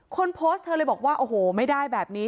คนโพสต์เธอเลยบอกว่าโอ้โหไม่ได้แบบนี้